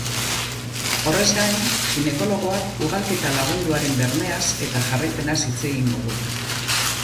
Horrez gain, ginekologoak ugalketa lagunduaren bermeaz eta jarraipenaz hitz egingo du.